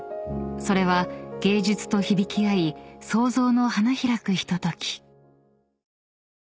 ［それは芸術と響き合い想像の花開くひととき］